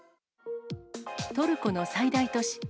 トルコの最大都市